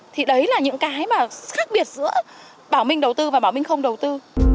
thì đấy là những cái mà khác biệt giữa bảo minh đầu tư và bảo minh không đầu tư